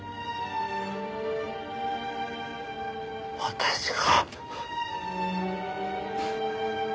私が。